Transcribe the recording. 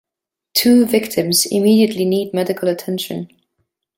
Two victims immediately need medical attention.